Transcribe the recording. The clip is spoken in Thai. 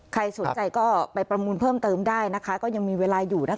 ใครสนใจก็ไปประมูลเพิ่มเติมได้นะคะก็ยังมีเวลาอยู่นะคะ